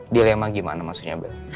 dilema gimana maksudnya bayi